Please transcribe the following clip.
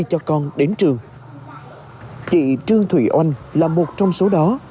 chị trương thủy oanh là một trong số đó